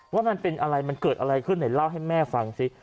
ว่ามันเป็นอะไรมันเกิดอะไรขึ้นไหนเล่าให้แม่ฟังสิ